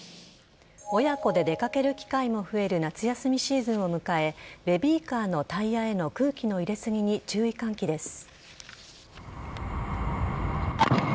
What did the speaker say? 親子で出掛ける機会も増える夏休みシーズンを迎えベビーカーのタイヤへの空気の入れすぎに注意喚起です。